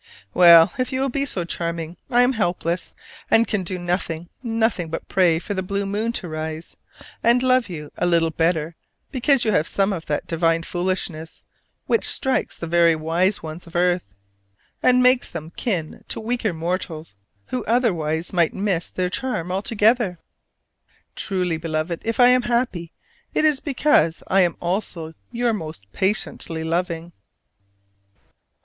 Well, if you will be so "charming," I am helpless: and can do nothing, nothing, but pray for the blue moon to rise, and love you a little better because you have some of that divine foolishness which strikes the very wise ones of earth, and makes them kin to weaker mortals who otherwise might miss their "charm" altogether. Truly, Beloved, if I am happy, it is because I am also your most patiently loving.